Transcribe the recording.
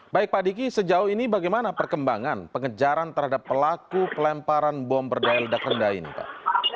baik pak diki sejauh ini bagaimana perkembangan pengejaran terhadap pelaku pelemparan bom berdaya ledak rendah ini pak